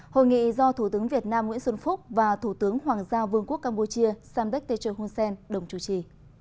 hội nghị do thủ tướng việt nam nguyễn xuân phúc và thủ tướng hoàng gia vương quốc campuchia samdech techo hunsen đồng chủ trì